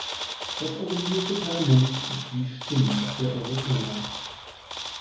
Das Europäische Parlament ist die Stimme der Europäer.